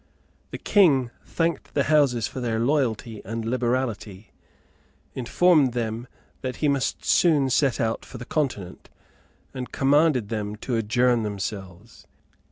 The King thanked the Houses for their loyalty and liberality, informed them that he must soon set out for the Continent, and commanded them to adjourn themselves.